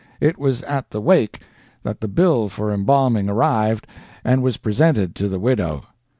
It was at the "wake" that the bill for embalming arrived and was presented to the widow.